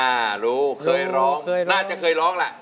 อ่ารู้เคยร้องน่าจะเคยร้องล่ะ